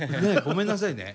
ごめんなさいね。